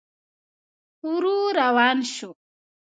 ورو روان شو.